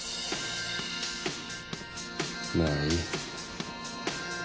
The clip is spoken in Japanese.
まあいい。